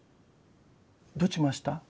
どうしました？